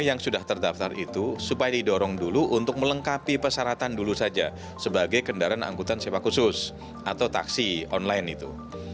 yang sudah terdaftar itu supaya didorong dulu untuk melengkapi persyaratan dulu saja sebagai kendaraan angkutan sewa khusus atau taksi online itu